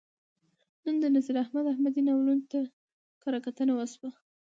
نن د نصیر احمد احمدي ناولونو ته کرهکتنه وشوه.